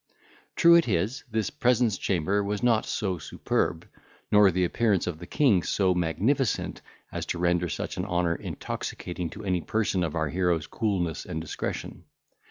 True it is, this presence chamber was not so superb, nor the appearance of the king so magnificent, as to render such an honour intoxicating to any person of our hero's coolness and discretion.